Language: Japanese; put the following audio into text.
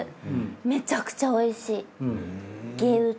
めちゃくちゃおいしい。